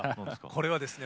これはですね